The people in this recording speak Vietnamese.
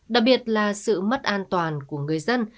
đặc biệt là sự mất an toàn của người dân